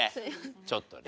ちょっとね。